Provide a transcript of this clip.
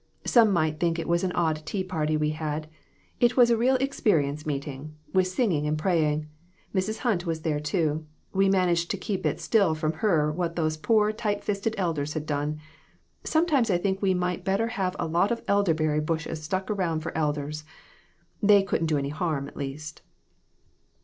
Some might think it was an odd tea party we had. It was a real experience meeting, with singing and praying. Mrs. Hunt was there, too. We managed to keep it still from her what these poor, tight fisted elders had done. Sometimes I think we might better have a lot of elderberry bushes stuck around for elders. They couldn't do any harm, at least."